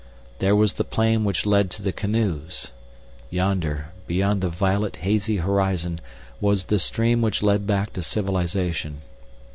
There was the plain which led to the canoes. Yonder, beyond the violet, hazy horizon, was the stream which led back to civilization.